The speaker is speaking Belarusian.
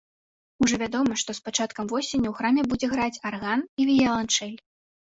Ужо вядома, што з пачаткам восені ў храме будзе граць арган і віяланчэль.